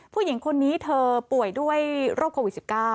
ผู้หญิงคนนี้เธอป่วยด้วยโรคโควิด๑๙